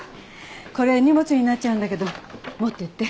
これ荷物になっちゃうんだけど持ってって。